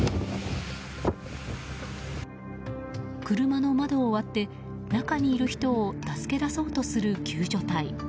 車の窓を割って、中にいる人を助け出そうとする救助隊。